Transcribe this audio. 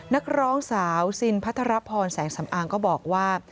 นักร้องสาวซินพัทรพรแสงสำอางก็บอกว่า